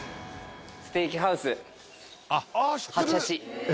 ステーキハウス８８。